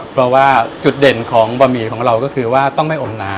เพราะว่าจุดเด่นของบะหมี่ของเราก็คือว่าต้องไม่อมหนา